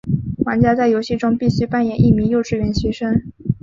玩家在游戏中必须扮演一名幼稚园学生。